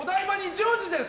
ジョージです。